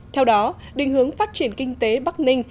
theo đó định hướng phát triển kinh tế bắc ninh